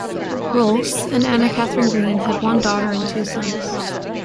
Rohlfs and Anna Katharine Green had one daughter and two sons.